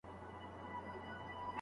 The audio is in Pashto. ماهر به د ساعت په اړه دروغ ونه وايي.